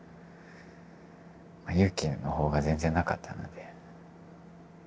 勇気の方が全然なかったので。